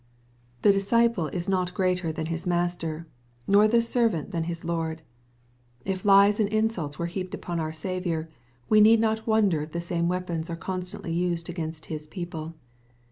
The disciple is not greater than His Master, nor the servant than His Loid. If Ues and insults were heaped upon our Saviour, we need not wonder if the same weapons are constantly used against His people.